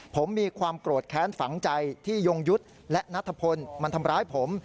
ผมมีความโกรธแค้นฝังใจที่ยงยุทธ์และนัทพลมันทำร้ายผม